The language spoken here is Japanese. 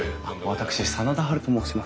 私真田ハルと申します。